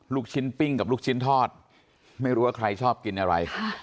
ลูกชิ้นปิ้งกับลูกชิ้นทอดไม่รู้ว่าใครชอบกินอะไร